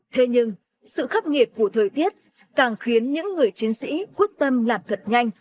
thế nhưng sự khắc nghiệt của thời tiết càng khiến những người chiến sĩ quyết tâm làm thật nhanh